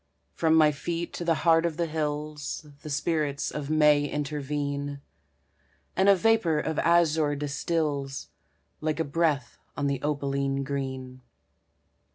From my feet to the heart of the hills The spirits of May intervene, And a vapor of azure distills Like a breath on the opaline green.